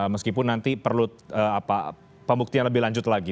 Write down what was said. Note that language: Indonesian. meskipun nanti perlu pembuktian lebih lanjut lagi